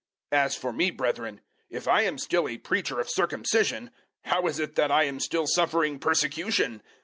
005:011 As for me, brethren, if I am still a preacher of circumcision, how is it that I am still suffering persecution?